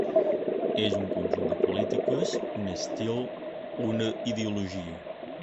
És un conjunt de polítiques, un estil, una ideologia?